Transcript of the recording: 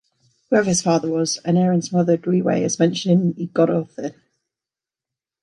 Whoever his father was, Aneirin's mother, Dwywei is mentioned in "Y Gododdin".